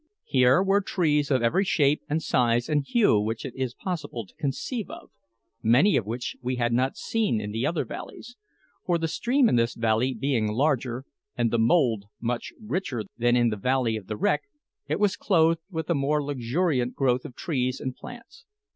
Here were trees of every shape and size and hue which it is possible to conceive of, many of which we had not seen in the other valleys; for, the stream in this valley being larger, and the mould much richer than in the Valley of the Wreck, it was clothed with a more luxuriant growth of trees and plants.